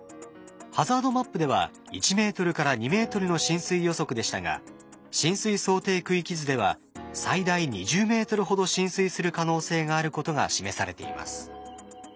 ハザードマップでは１ｍ２ｍの浸水予測でしたが浸水想定区域図では最大２０ｍほど浸水する可能性があることが示されています。